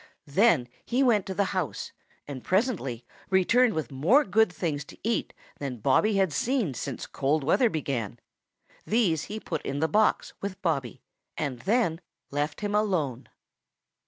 Then he went to the house and presently returned with more good things to eat than Bobby had seen since cold weather began. These he put in the box with Bobby, and then left him alone.